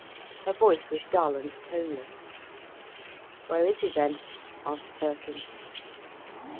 Her voice was dull and toneless. "Where is he then?" asked Birkin.